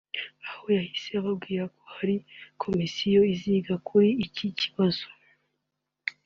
Aha yanahise ababwira ko hari komisiyo iziga kuri iki kibazo